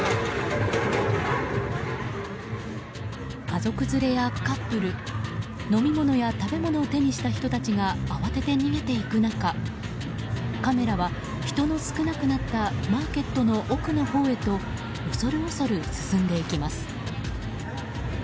家族連れやカップル飲み物や食べ物を手にした人たちが慌てて逃げていく中カメラは、人の少なくなったマーケットの奥のほうへと恐る恐る進んでいきます。